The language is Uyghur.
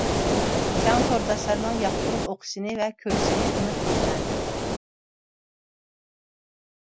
كەڭ تورداشلارنىڭ ياقتۇرۇپ ئوقۇشىنى ۋە كۆرۈشىنى ئۈمىد قىلىمەن.